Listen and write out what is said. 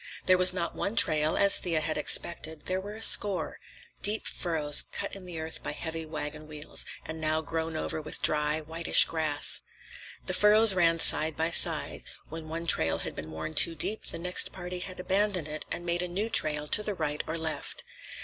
There was not one trail, as Thea had expected; there were a score; deep furrows, cut in the earth by heavy wagon wheels, and now grown over with dry, whitish grass. The furrows ran side by side; when one trail had been worn too deep, the next party had abandoned it and made a new trail to the right or left.